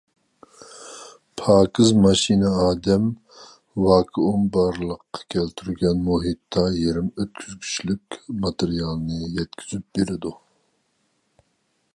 پاكىز ماشىنا ئادەم ۋاكۇئۇم بارلىققا كەلتۈرگەن مۇھىتتا يېرىم ئۆتكۈزگۈچلۈك ماتېرىيالنى يەتكۈزۈپ بېرىدۇ.